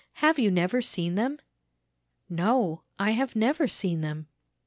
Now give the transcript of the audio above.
Have you never seen them?" "'No, I have never seen them.'